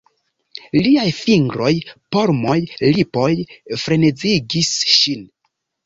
Liaj fingroj, polmoj, lipoj frenezigis ŝin.